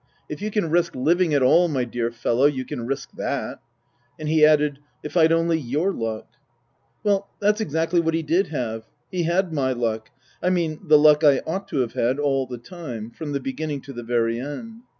If you can risk living at all, my dear fellow, you can risk that." And he added " If I'd only your luck !" Well, that's exactly what he did have. He had my luck, I mean the luck I ought to have had, all the time, from the beginning to the very end.